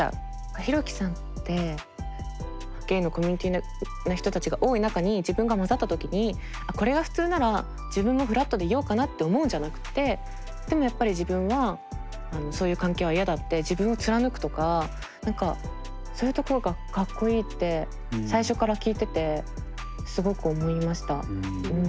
ヒロキさんってゲイのコミュニティーの人たちが多い中に自分が交ざった時にあっこれが普通なら自分もフラットでいようかなって思うんじゃなくてでもやっぱり自分はそういう関係は嫌だって自分を貫くとか何かそういうところがかっこいいって最初から聞いててすごく思いました。